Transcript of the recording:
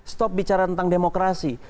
stop bicara tentang demokrasi